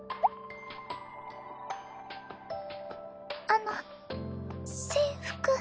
あの制服。